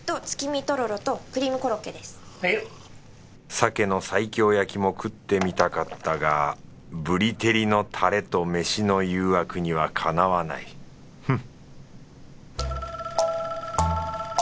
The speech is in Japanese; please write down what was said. サケの西京焼きも食ってみたかったがぶり照りのタレとめしの誘惑にはかなわないフッ